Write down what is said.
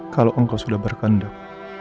kalau engkau sudah berkendak